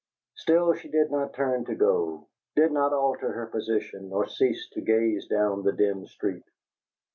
Still she did not turn to go; did not alter her position, nor cease to gaze down the dim street.